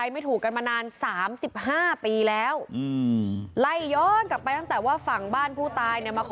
ไม่ยอมจ่ายเงิน